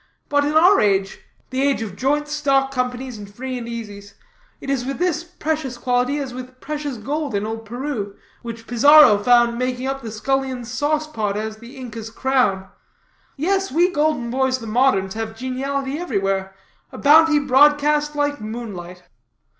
But in our age the age of joint stock companies and free and easies it is with this precious quality as with precious gold in old Peru, which Pizarro found making up the scullion's sauce pot as the Inca's crown. Yes, we golden boys, the moderns, have geniality everywhere a bounty broadcast like noonlight."